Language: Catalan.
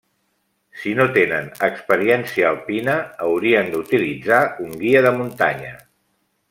Si no tenen experiència alpina, haurien d'utilitzar un guia de muntanya.